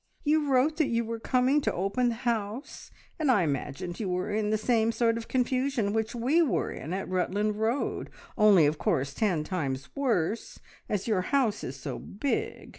You wrote that you were coming to open the house, and I imagined you in the same sort of confusion which we were in at Rutland Road, only of course ten times worse, as your house is so big.